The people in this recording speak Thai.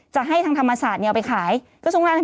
จะให้ทางธรรมศาสตร์เนี่ยเอาไปขาย